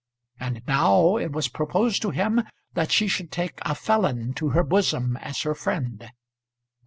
And now it was proposed to him that she should take a felon to her bosom as her friend!